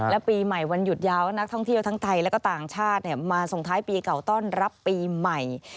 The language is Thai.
และปีใหม่วันหยุดยาวนักท่องเที่ยวทั้งไทยและก็ต่างชาติมาส่งท้ายปีเก่าต้อนรับปีใหม่